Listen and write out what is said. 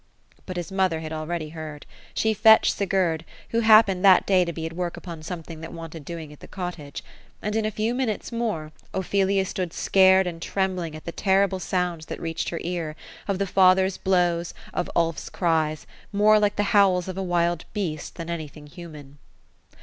But his mother had already heard She fetched Sigurd, who hap pened that day to be at work upon something that wanted doing at the cottage. And in a few minutes more, Ophelia stood scared and trem bling at the terrible sounds that reached her ear, of the father's blows, of Ulf's cries, more like the howls of a wild beast, than anything human.